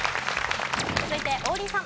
続いて王林さん。